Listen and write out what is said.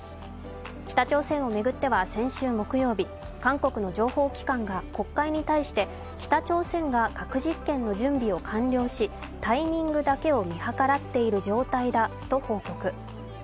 北朝鮮を巡っては先週木曜日、韓国の情報機関が国会に対して北朝鮮が核実験の準備を完了しタイミングだけを見計らっている状態だと報告。